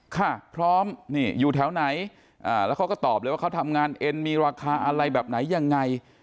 ค่ะพร้อมนี่อยู่แถวไหนแล้วเขาก็ตอบเลยว่าเขาทำงานเอ็นมีราคาอะไรแบบไหนยังไง